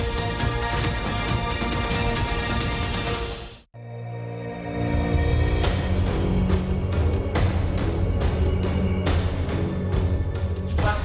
สวัสดีครับทุกคน